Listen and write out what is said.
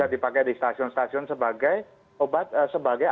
dipakai di stasiun stasiun sebagai